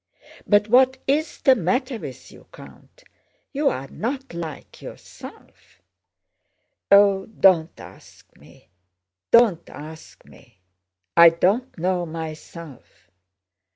"But what is the matter with you, Count? You are not like yourself...." "Oh, don't ask me, don't ask me! I don't know myself.